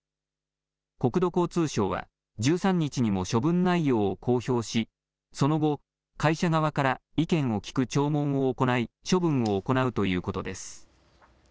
国土交通省は１３日にも処分内容を公表しその後、会社側から意見を聞く聴聞を行い処分を行うということです。